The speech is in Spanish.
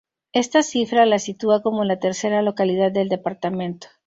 Esta cifra la sitúa como la tercera localidad del departamento.